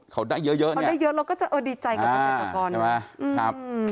เขาได้เยอะเราก็จะดีใจกับพี่เกษตรกร